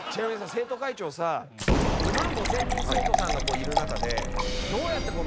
生徒会長さ２万５０００人生徒さんがいる中で。